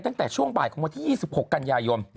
ตั้งแต่ช่วงบ่ายของวันที่๒๖กันยายน